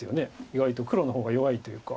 意外と黒の方が弱いというか。